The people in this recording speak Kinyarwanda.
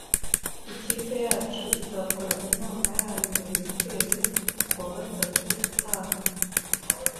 Ikipe yacu izakora inama yayo ya buri kwezi kuwa gatatu utaha